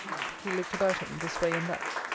He looked about him this way and that. Mr.